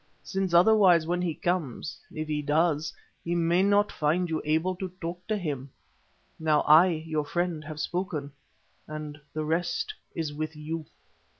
Since otherwise when he comes, if come he does, he may not find you able to talk to him. Now I, your friend, have spoken and the rest is with you."